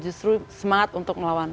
justru semangat untuk ngelawan